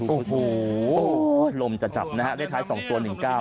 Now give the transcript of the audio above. โอ้โฮลมจัดจับนะครับเลขท้าย๒ตัว๑ก้าว